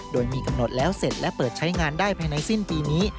โดยมีกำหนดแล้วเสร็จและเปิดใช้งานได้ภายในสิ้นปีนี้